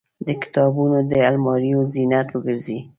د کتابتونونو د الماریو زینت وګرځي.